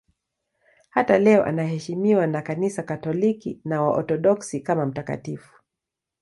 Hata leo anaheshimiwa na Kanisa Katoliki na Waorthodoksi kama mtakatifu.